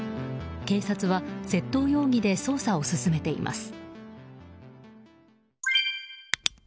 警察は窃盗容疑で捜査を進めています。